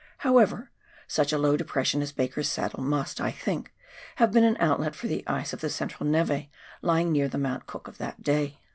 However, such a low depres sion as Baker's Saddle must, I think, have been an outlet for the ice of the central neve lying near the Mount Cook of that day.